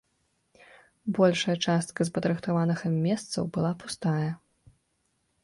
Большая частка з падрыхтаваных ім месцаў была пустая.